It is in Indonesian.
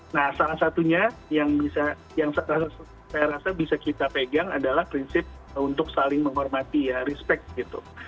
nah salah satunya yang bisa yang saya rasa bisa kita pegang adalah prinsip untuk saling menghormati ya respect gitu